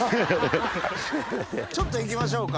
ちょっと行きましょうか。